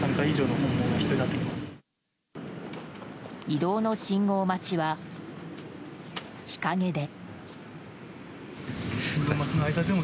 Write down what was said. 移動の信号待ちは、日陰で。